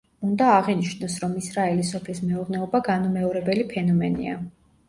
უნდა აღინიშნოს, რომ ისრაელის სოფლის მეურნეობა განუმეორებელი ფენომენია.